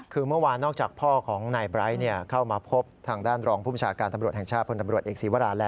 คือเมื่อวานนอกจากพ่อของนายไบรท์เข้ามาพบทางด้านรองผู้บัญชาการตำรวจแห่งชาติ